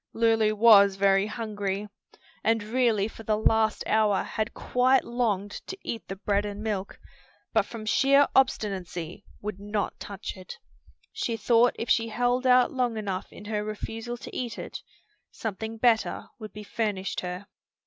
Lulu was very hungry, and really for the last hour had quite longed to eat the bread and milk, but from sheer obstinacy would not touch it. She thought if she held out long enough in her refusal to eat it, something better would be furnished her.